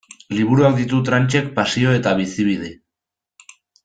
Liburuak ditu Tranchek pasio eta bizibide.